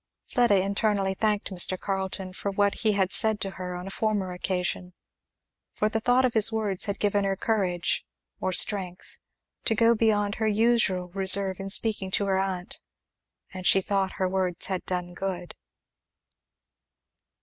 Fleda internally thanked Mr. Carleton for what he had said to her on a former occasion, for the thought of his words had given her courage, or strength, to go beyond her usual reserve in speaking to her aunt; and she thought her words had done good.